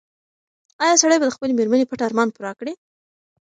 ایا سړی به د خپلې مېرمنې پټ ارمان پوره کړي؟